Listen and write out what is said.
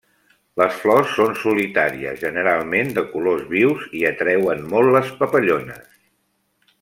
Les flors són solitàries, generalment de colors vius, i atreuen molt les papallones.